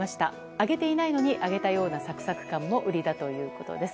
揚げていないのに揚げたようなサクサク感も売りだということです。